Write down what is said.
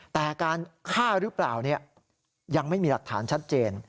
แต่การฆ่าหรือเปล่ายังไม่มีหลักฐานชัดเจน